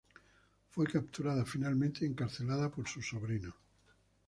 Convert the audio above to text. Fue capturada finalmente y encarcelada por sus sobrinos.